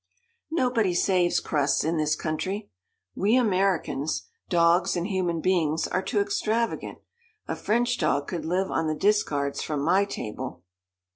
Nobody saves crusts in this country. We Americans, dogs and human beings, are too extravagant. A French dog could live on the discards from my table.